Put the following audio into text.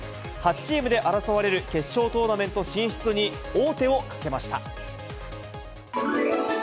８チームで争われる決勝トーナメント進出に王手をかけました。